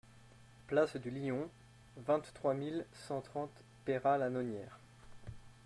Place du Lion, vingt-trois mille cent trente Peyrat-la-Nonière